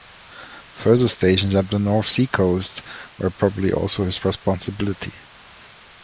Further stations up the North Sea coast were probably also his responsibility.